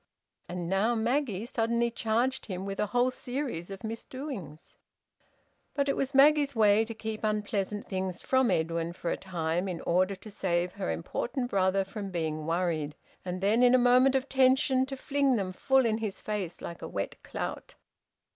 And now Maggie suddenly charged him with a whole series of misdoings! But it was Maggie's way to keep unpleasant things from Edwin for a time, in order to save her important brother from being worried, and then in a moment of tension to fling them full in his face, like a wet clout.